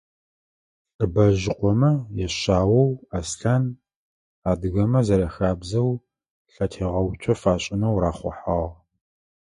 ЛӀыбэжъыкъомэ яшъаоу Аслъан, адыгэмэ зэряхабзэу, лъэтегъэуцо фашӏынэу рахъухьагъ.